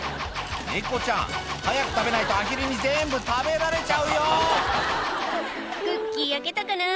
猫ちゃん早く食べないとアヒルに全部食べられちゃうよ「クッキー焼けたかな？」